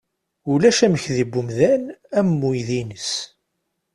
Ulac amekdi n umdan am uydi-ines